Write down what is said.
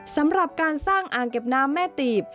สำหรับการสร้างอ่างเก็บน้ำแม่ตีบ